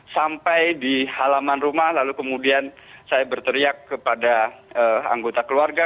sampai di halaman rumah lalu kemudian saya berteriak kepada anggota keluarga